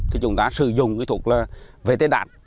thì chúng ta sử dụng cái thuộc là vệ tế đạt